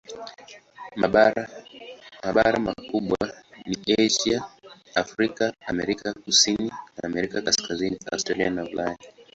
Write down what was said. Mabara makubwa ni Asia, Afrika, Amerika Kusini na Amerika Kaskazini, Australia na Ulaya.